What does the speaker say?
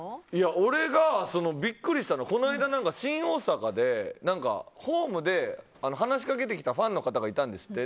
俺がビックリしたのは、この間新大阪でホームで話しかけてきたファンの方がいたんですって。